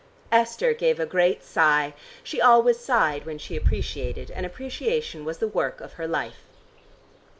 Esther gave a great sigh: she always sighed when she appreciated, and appreciation was the work of her life.